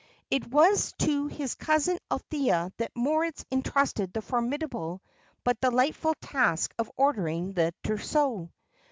It was to his cousin Althea that Moritz entrusted the formidable but delightful task of ordering the trousseau.